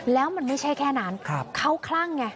แล้วมันไม่ใช่แค่นั้นเขาคลั่งไง